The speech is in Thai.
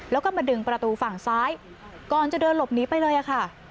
แล้วก็มาดึงประตูฝั่งซ้ายก่อนจะเดินหลบหนีไปเลยค่ะ